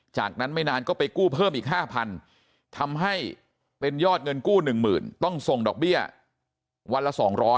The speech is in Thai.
จากนั้นไม่นานก็ไปกู้เพิ่มอีก๕๐๐ทำให้เป็นยอดเงินกู้๑๐๐๐ต้องส่งดอกเบี้ยวันละ๒๐๐